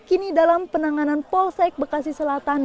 kini dalam penanganan polsek bekasi selatan